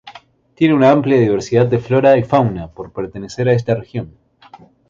Tiene una amplia diversidad de flora y fauna por pertenecer a esta región.